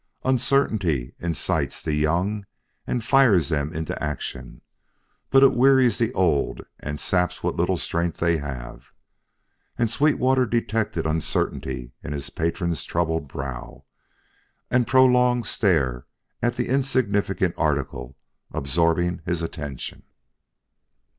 Uncertainty incites the young and fires them to action; but it wearies the old and saps what little strength they have; and Sweetwater detected uncertainty in his patron's troubled brow and prolonged stare at the insignificant article absorbing his attention.